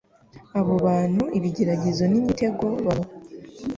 abo bantu ibigeragezo n’imitego baba